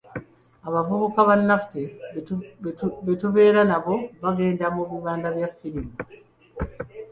Bavubuka bannaffe be tubeera nabo bagenda mu "bibanda"bya ffirimu.